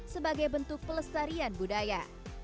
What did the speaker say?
sebagai bentuk pelestarian budaya